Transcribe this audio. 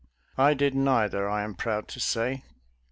I did neither, I am proud to say.